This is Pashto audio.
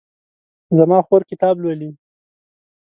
زما خور کتاب لولي